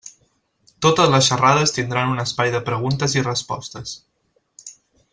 Totes les xerrades tindran un espai de preguntes i respostes.